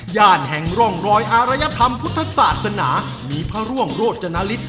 แห่งร่องรอยอารยธรรมพุทธศาสนามีพระร่วงโรจนฤทธ